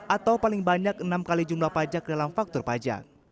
atau paling banyak enam kali jumlah pajak dalam faktor pajak